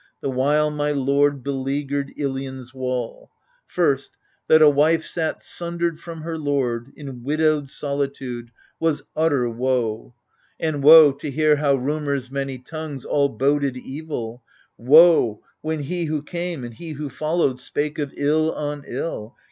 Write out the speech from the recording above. The while, my lord beleaguered Ilion's wall. First, that a wife sat sundered from her lord. In widowed solitude, was utter woe — And woe, to hear how rumour's many tongues All boded evil — woe, when he who came And he who followed spake of ill on ill.